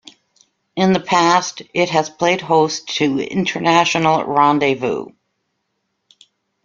In the past it has played host to International Rendezvous.